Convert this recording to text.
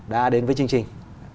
đã đến với chương trình